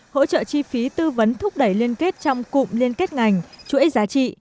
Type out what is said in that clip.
hỗ trợ chi phí tư vấn thúc đẩy liên kết trong cụm liên kết ngành chuỗi giá trị